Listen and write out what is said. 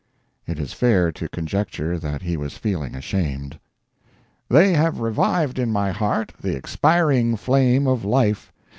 It is fair to conjecture that he was feeling ashamed. "They have revived in my heart the expiring flame of life.